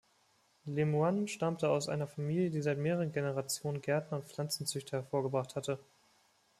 Lemoine stammte aus einer Familie, die seit mehreren Generationen Gärtner und Pflanzenzüchter hervorgebracht hatte.